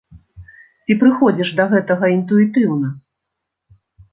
Ці прыходзіш да гэтага інтуітыўна?